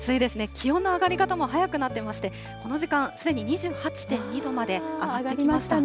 気温の上がり方も早くなってまして、この時間、すでに２８．２度まで上がってきました。